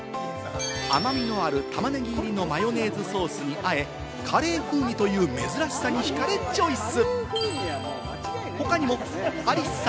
甘みのあるタマネギ入りのマヨネーズソースにカレー風味という珍しさに惹かれ、チョイス。